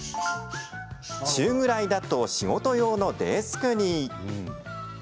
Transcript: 中ぐらいだと仕事用のデスクに。